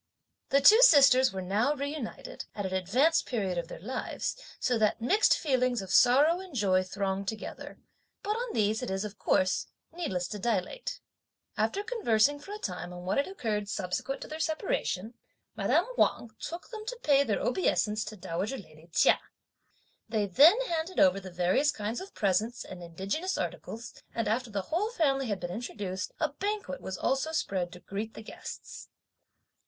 The two sisters were now reunited, at an advanced period of their lives, so that mixed feelings of sorrow and joy thronged together, but on these it is, of course, needless to dilate. After conversing for a time on what had occurred, subsequent to their separation, madame Wang took them to pay their obeisance to dowager lady Chia. They then handed over the various kinds of presents and indigenous articles, and after the whole family had been introduced, a banquet was also spread to greet the guests.